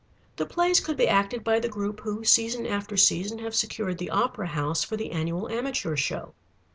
The plays could be acted by the group who, season after season, have secured the opera house for the annual amateur show.